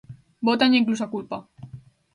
Bótanlle incluso a culpa.